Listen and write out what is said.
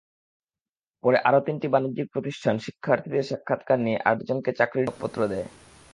পরে আরও তিনটি বাণিজ্যিক প্রতিষ্ঠান শিক্ষার্থীদের সাক্ষাৎকার নিয়ে আটজনকে চাকরির নিয়োগপত্র দেয়।